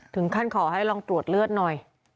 ถึงขั้นขอให้ลองตรวจเลือดหน่อย